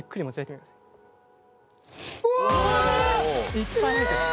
いっぱい入ってる。